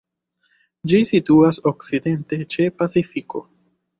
Ĝi situas okcidente ĉe Pacifiko.